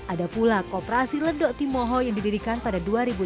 ada pula koperasi ledok timoho yang didirikan pada dua ribu tujuh belas